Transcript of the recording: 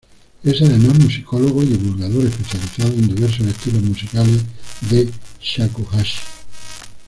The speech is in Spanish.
Es además musicólogo y divulgador especializado en diversos estilos musicales de shakuhachi.